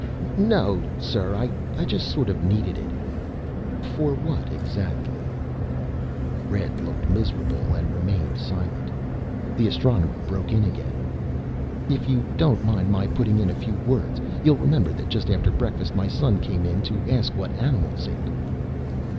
"No, sir. I just sort of needed it." "For what exactly?" Red looked miserable and remained silent. The Astronomer broke in again. "If you don't mind my putting in a few words You'll remember that just after breakfast my son came in to ask what animals ate."